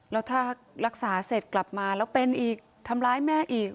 แล้วถ้ารักษาเสร็จกลับมาแล้วเป็นอีกทำร้ายแม่อีก